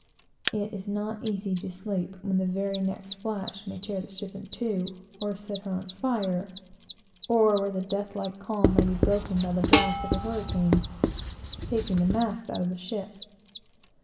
It is not easy to sleep, when the very next flash may tear the ship in two, or set her on fire; or where the deathlike calm may be broken by the blast of a hurricane, taking the masts out of the ship.